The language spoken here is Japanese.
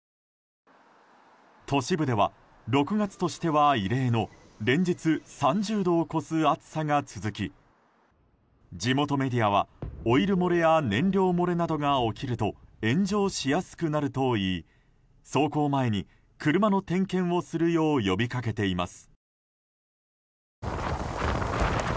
都市部では、６月としては異例の連日３０度を超す暑さが続き地元メディアは、オイル漏れや燃料漏れなどが起きると炎上しやすくなるといい走行前に車の点検をするよう呼びかけています。